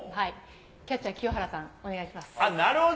キャッチャー、清原さん、お願いなるほど。